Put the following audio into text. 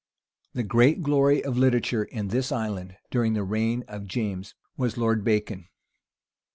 The great glory of literature in this island during the reign of James, was Lord Bacon.